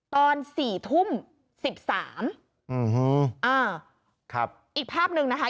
ตอนสี่ทุ่มสิบสามอืมอ่าครับอีกภาพหนึ่งนะคะ